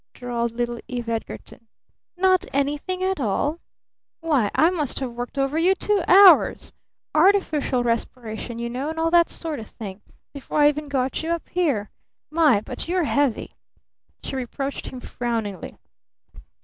drawled little Eve Edgarton. "Not anything at all? Why, I must have worked over you two hours artificial respiration, you know, and all that sort of thing before I even got you up here! My! But you're heavy!" she reproached him frowningly.